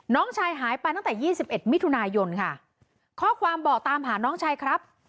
น้องชายหายไปตั้งแต่ยี่สิบเอ็ดมิถุนายนค่ะข้อความบอกตามหาน้องชายครับ